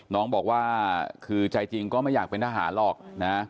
น้องบอกว่าคือใจจริงก็ไม่อยากเป็นทหารหรอกนะ